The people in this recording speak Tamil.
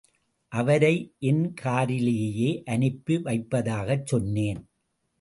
அவரை என் காரிலேயே அனுப்பி வைப்பதாகச் சொன்னேன்.